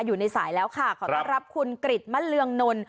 อยู่ในสายแล้วค่ะขอต้อนรับคุณกริจมะเรืองนล